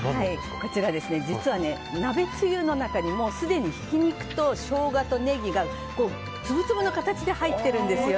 こちら、実は鍋つゆの中にもうすでにひき肉とショウガとネギが粒々の形で入ってるんですよ。